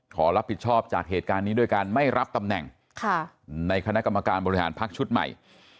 ขอรับผิดชอบจากเหตุการณ์นี้ด้วยการไม่รับตำแหน่งในคณะกรรมการบริหารพักชุดใหม่